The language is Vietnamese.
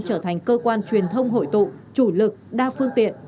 trở thành cơ quan truyền thông hội tụ chủ lực đa phương tiện